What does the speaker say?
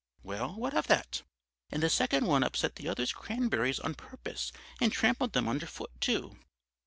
"'Well, what of that?' "'And the second one upset the other's cranberries on purpose and trampled them under foot, too.'